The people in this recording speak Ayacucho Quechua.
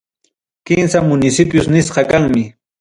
Kimsa municipios nisqa kanmi.